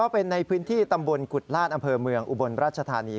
เป็นในพื้นที่ตำบลกุฎลาศอำเภอเมืองอุบลราชธานี